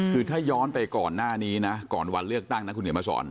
คือถ้าย้อนไปก่อนหน้านี้นะก่อนวันเลือกตั้งนะคุณเหนียวมาสอน